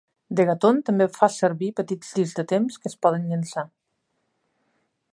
Degaton també fa servir petits discs de temps que es poden llançar.